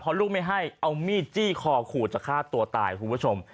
เพราะลูกไม่ให้เอามีดจี้คอขู่จะฆ่าตัวตายคุณผู้ชม